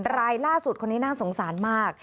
รายล่าสุดคนนี้น่าสงสารมาก